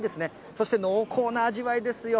そして濃厚な味わいですよ。